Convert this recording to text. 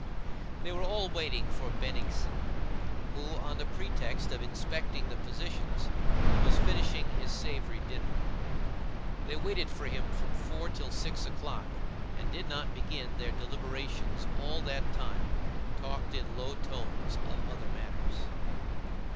They were all waiting for Bennigsen, who on the pretext of inspecting the position was finishing his savory dinner. They waited for him from four till six o'clock and did not begin their deliberations all that time but talked in low tones of other matters.